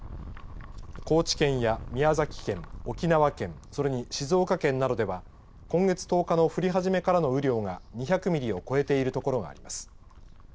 高知県や宮崎県、沖縄県それに静岡県などでは今月１０日の降り始めからの雨量が２００ミリを超えている所があります。